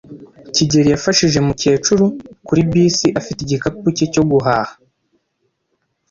kigeli yafashije umukecuru kuri bisi afite igikapu cye cyo guhaha.